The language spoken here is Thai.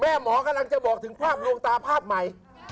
หมอกำลังจะบอกถึงภาพลวงตาภาพใหม่